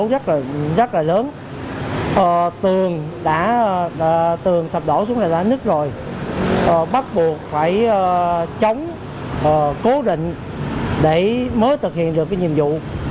rất là lớn tường sập đổ xuống là đã nứt rồi bắt buộc phải chống cố định để mới thực hiện được nhiệm vụ